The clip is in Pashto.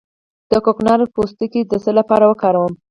د کوکنارو پوټکی د څه لپاره وکاروم؟